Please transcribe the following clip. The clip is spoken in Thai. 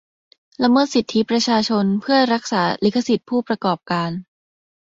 ละเมิดสิทธิประชาชนเพื่อรักษาลิขสิทธิ์ผู้ประกอบการ